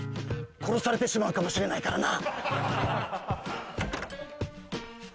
殺されてしまうかもしれないからな。